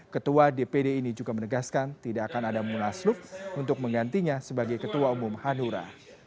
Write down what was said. ketua dpd ini juga menegaskan tidak akan ada munaslup untuk menggantinya sebagai ketua umum hanura